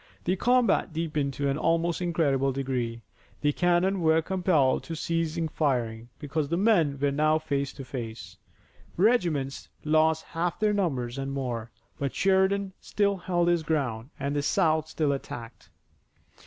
The combat deepened to an almost incredible degree. The cannon were compelled to cease firing because the men were now face to face. Regiments lost half their numbers and more, but Sheridan still held his ground and the South still attacked.